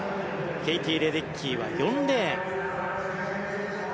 ケイティ・レデッキーは４レーン。